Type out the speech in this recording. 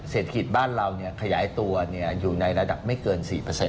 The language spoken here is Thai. เศรษฐกิจบ้านเราขยายตัวอยู่ในระดับไม่เกิน๔